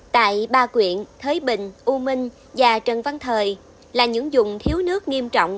tại ba quyện thới bình u minh và trần văn thời là những dùng thiếu nước nghiêm trọng